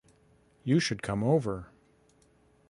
You should come over.